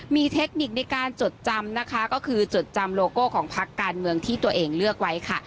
มีเทคนิคในการจดจำนะคะก็คือจดจำโลโก้ของพักการเมืองที่ตัวเองเลือกไว้ค่ะ